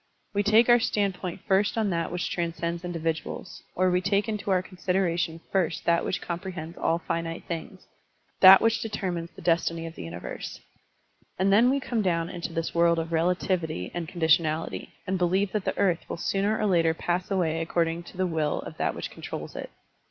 We take our standpoint first on that which transcends individuals, or we take into our consideration first that which comprehends all finite things, that which determines the Digitized by Google BUDDHISM AND ORIENTAL CULTURE 1 79 destiny of the universe ; and then we come down into this world of relativity and conditionality, and believe that the earth will sooner or later pass away according to the will of that which controls it.